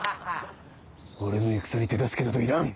俺の戦に手助けなどいらん！